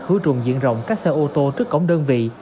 khử trùng diện rộng các xe ô tô trước cổng đơn vị